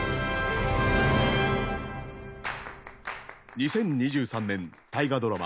２０２３年大河ドラマ